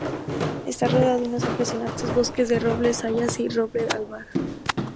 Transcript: Está rodeado de unos impresionantes bosques de robles, hayas y roble albar.